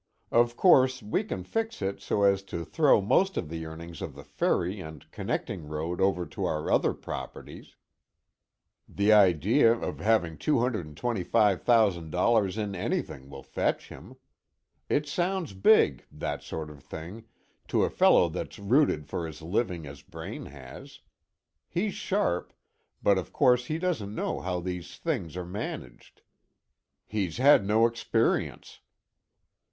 Of course, we can fix it so as to throw most of the earnings of the ferry and connecting road over to our other properties. The idea of having $225,000 in anything will fetch him. It sounds big, that sort of thing, to a fellow that's rooted for his living as Braine has. He's sharp, but of course he doesn't know how these things are managed. He's had no experience."